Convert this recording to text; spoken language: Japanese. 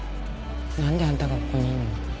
何であんたがここにいんの？